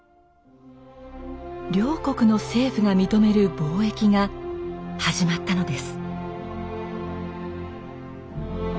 両国の政府が認める貿易が始まったのです。